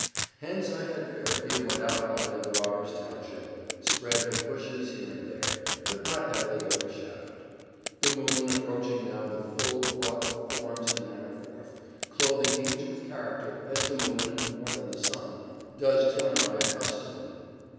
Hence I had fair view and outline of the robbers' township, spread with bushes here and there, but not heavily overshadowed. The moon, approaching now the full, brought the forms in manner forth, clothing each with character, as the moon (more than the sun) does to an eye accustomed.